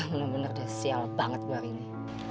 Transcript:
bener bener deh sial banget gue hari ini